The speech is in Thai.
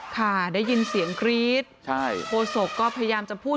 ค่ะได้ยินเสียงกรี๊ดใช่โฆษกก็พยายามจะพูด